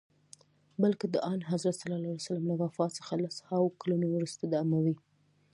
بلکه د آنحضرت ص له وفات څخه لس هاوو کلونه وروسته د اموي.